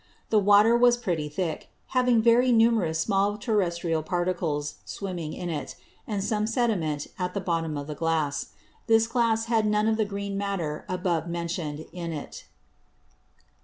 The Water was pretty thick; having very numerous small Terrestrial Particles swimming in it, and some Sediment at the bottom of the Glass. This Glass had none of the green Matter above mentioned, in it.